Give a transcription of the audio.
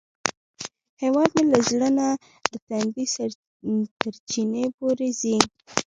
هیواد مې له زړه نه د تندي تر چینې پورې ځي